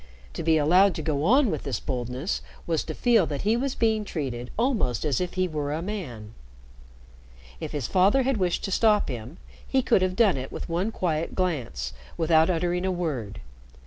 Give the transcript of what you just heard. To be allowed to go on with this boldness was to feel that he was being treated almost as if he were a man. If his father had wished to stop him, he could have done it with one quiet glance, without uttering a word.